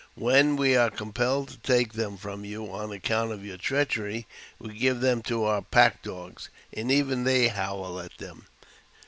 When we are compelled to take them from you on account of your treachery, we give them to our pack dogs, and even they howl at them.